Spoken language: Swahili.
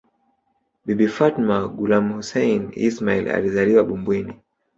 Bibi Fatma Gulamhussein Ismail alizaliwa Bumbwini